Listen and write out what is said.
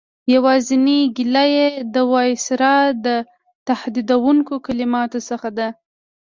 یوازینۍ ګیله یې د وایسرا د تهدیدوونکو کلماتو څخه ده.